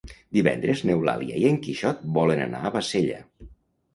Divendres n'Eulàlia i en Quixot volen anar a Bassella.